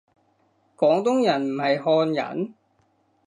廣東人唔係漢人？